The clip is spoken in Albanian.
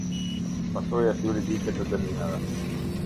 Pasojat juridike të dënimeve.